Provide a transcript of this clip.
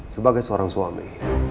sebagai seorang suami